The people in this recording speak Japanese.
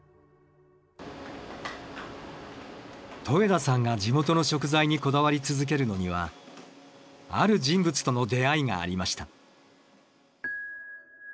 戸枝さんが地元の食材にこだわり続けるのにはある人物との出会いがありました。